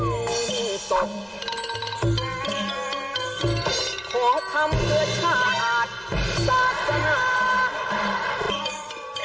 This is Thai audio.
นี่ไงนักรบจะมาฝึกรบ